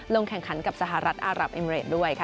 ลงแข่งขันกับสหรัฐอารับเอมิเรดด้วยค่ะ